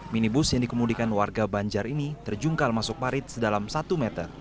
minibus yang dikemudikan warga banjar ini terjungkal masuk parit sedalam satu meter